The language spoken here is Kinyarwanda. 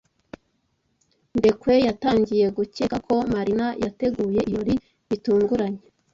Ndekwe yatangiye gukeka ko Marina yateguye ibirori bitunguranye.